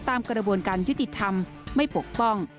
ตามกระบวนการยุติธรรมไม่ปกป้อง